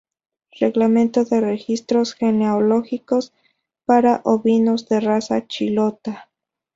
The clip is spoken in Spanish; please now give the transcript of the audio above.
Reglamento de registros genealógicos para ovinos de raza chilota